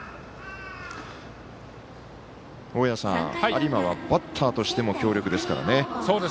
有馬はバッターとしても強力ですからね。